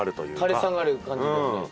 垂れ下がる感じだよね。